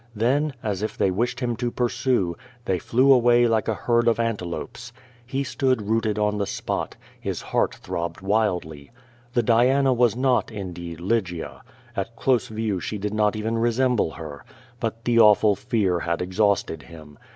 Then, as if they wished him to pursue, they flew away like a herd of antelopes. He stood rooted on the spot. His heart throbbed wildly. The Diana was not indeed Lygia. At close view she did not even resemble her. Ikit the awful fear had exhausted him.